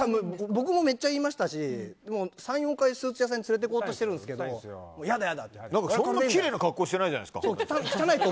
僕もめっちゃ言いましたし３４回スーツ屋さんに連れていこうとしていますがきれいな格好してないじゃないですか。